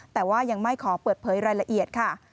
แต่ว่ายังไม่ขอเปิดเผยรายละเอียดค่ะ